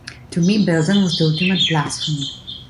To me Belsen was the ultimate blasphemy.